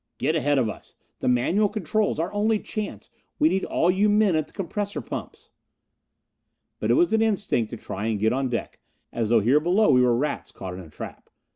"Get ahead of us! The manual controls our only chance we need all you men at the compressor pumps!" But it was an instinct to try and get on deck, as though here below we were rats caught in a trap.